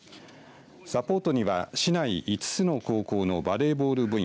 サポートには市内５つの高校のバレーボール部員